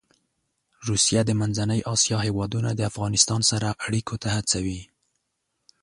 روسیه د منځنۍ اسیا هېوادونه د افغانستان سره اړيکو ته هڅوي.